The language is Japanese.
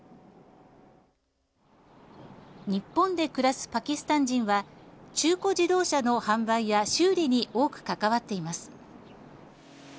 日本で暮らすパキスタン人は中古自動車の販売や修理に多く関わっています。